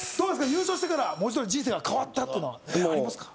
優勝してから文字どおり人生が変わったっていうのはありますか？